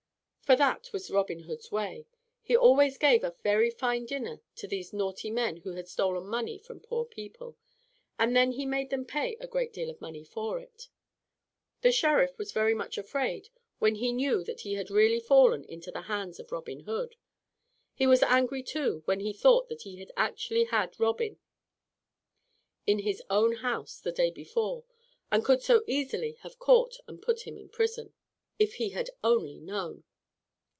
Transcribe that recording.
For that was Robin Hood's way. He always gave a very fine dinner to these naughty men who had stolen money from poor people, and then he made them pay a great deal of money for it. The Sheriff was very much afraid when he knew that he had really fallen into the hands of Robin Hood. He was angry too when he thought that he had actually had Robin in his own house the day before, and could so easily have caught and put him in prison, if he had only known.